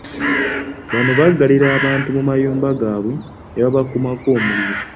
Bano baggalira abantu mu mayumba gaabwe ne babakumako omuliro .